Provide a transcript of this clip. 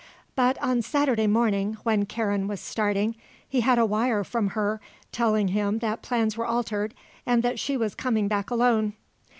But on Saturday morning, when Karen was starting, he had a wire from her telling him that plans were altered and that she was coming back alone.